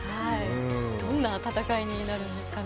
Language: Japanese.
どんな戦いになるんですかね。